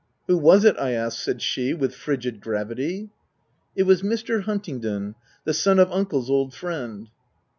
"" Who was it, I ask ?" said she, with frigid gravity. " It was Mr. Huntingdon, the son of uncle's old friend."